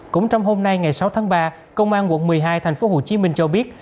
cũng trong hôm nay ngày sáu tháng ba công an quận một mươi hai thành phố hồ chí minh cho biết